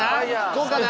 こうかな？